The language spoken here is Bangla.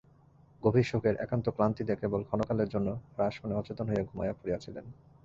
গভীর শোকের একান্ত ক্লান্তিতে কেবল ক্ষণকালের জন্য রাসমণি অচেতন হইয়া ঘুমাইয়া পড়িয়াছিলেন।